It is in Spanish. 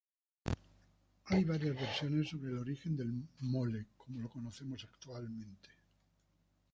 Hay varias versiones sobre el origen del mole como lo conocemos actualmente.